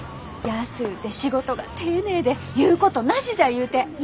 安うて仕事が丁寧で言うことなしじゃ言うて。